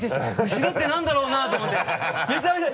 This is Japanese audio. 後ろって何だろうなと思ってめちゃめちゃ。